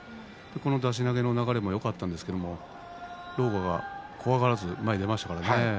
出し投げの流れもよかったんですけれど狼雅が怖がらずに前に出ましたね。